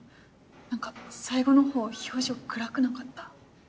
何か最後の方表情暗くなかった？